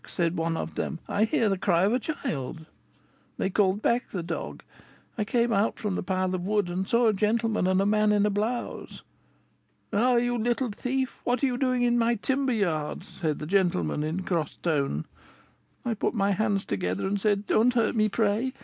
said one of them; 'I hear the cry of a child.' They called back the dog; I came out from the pile of wood, and saw a gentleman and a man in a blouse. 'Ah, you little thief! what are you doing in my timber yard?' said the gentleman, in a cross tone. I put my hands together and said, 'Don't hurt me, pray.